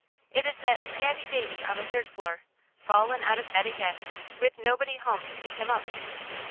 It is that scabby baby on the third floor, fallen out of bed again, with nobody home to pick him up.